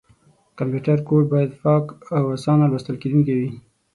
کمپیوټر کوډ باید پاک او اسانه لوستل کېدونکی وي.